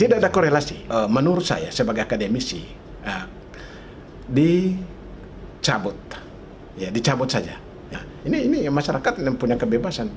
tidak ada korelasi menurut saya sebagai akademisi dicabut dicabut saja ini masyarakat yang punya kebebasan